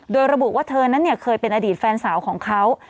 โดยระบุว่าเธอนั้นเคยเป็นอดีตแฟนสาวของเขา